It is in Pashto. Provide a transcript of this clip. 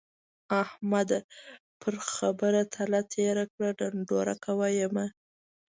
احمده! پر خبره تله تېره کړه ـ ډنډوره کوه يې مه.